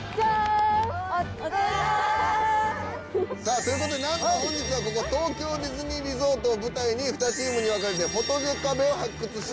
・そういうことでなんと本日はここ東京ディズニーリゾートを舞台に２チームに分かれてフォトジェ壁を発掘します。